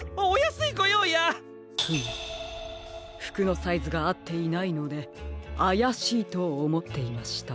フムふくのサイズがあっていないのであやしいとおもっていました。